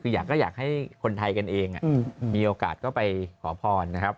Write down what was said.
คืออยากก็อยากให้คนไทยกันเองมีโอกาสก็ไปขอพรนะครับ